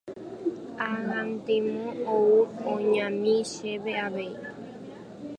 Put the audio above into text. ag̃antemo ou oñami chéve avei.